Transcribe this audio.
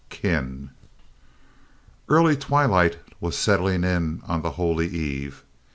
KIN Early twilight was setting in on the Holy Eve.